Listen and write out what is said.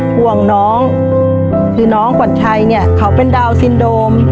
ห่วงน้องคือน้องขวัญชัยเนี่ยเขาเป็นดาวนซินโดม